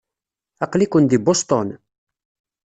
Aql-iken di Boston?